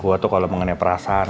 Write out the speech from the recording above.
gue tuh kalau mengenai perasaan